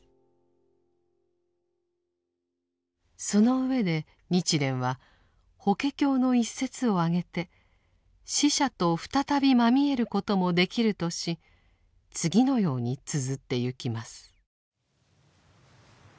その上で日蓮は「法華経」の一節を挙げて死者と再びまみえることもできるとし次のようにつづってゆきます。